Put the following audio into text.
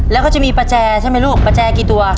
แล้วก็จะมีประแจใช่ไหมลูกประแจกี่ตัว